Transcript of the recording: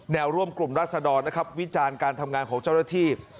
แนวร่วมกลุ่มราศดรนะครับวิจารณ์การทำงานของเจ้าหน้าที่